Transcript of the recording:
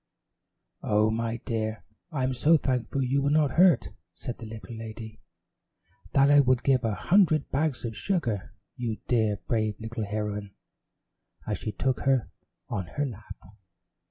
"Oh, my dear, I'm so thankful you were not hurt," said the little lady, "that I would give a hundred bags of sugar you, dear brave little heroine," as she took her on her lap.